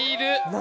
何？